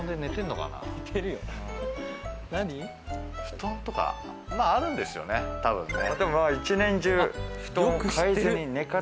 布団とかまぁあるんですよねたぶんね。